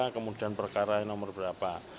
kemudian perkara yang nomor berapa